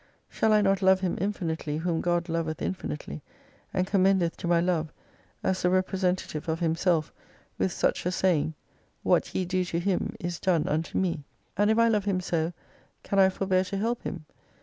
Shall I not love Him infinitely whom God loveth infinitely, and commendeth to my love, as the representative of Himself, with such a saying, IV/ia^ ve do to him is done unto Me ? And if I love him so, can I forbear to help him